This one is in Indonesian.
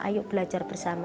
ayo belajar bersama